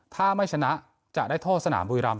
ถ้าไม่ชนะจะได้โทษสนามบุรีรำ